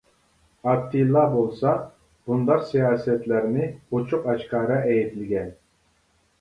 ئاتتىلا بولسا بۇنداق سىياسەتلەرنى ئوچۇق-ئاشكارا ئەيىبلىگەن.